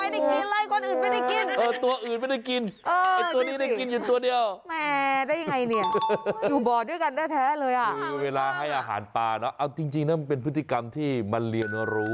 แล้วทำยังไงกดลงน้ำไปเลย